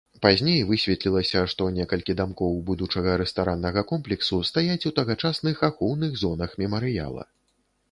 Пазней высветлілася, што некалькі дамкоў будучага рэстараннага комплексу стаяць у тагачасных ахоўных зонах мемарыяла.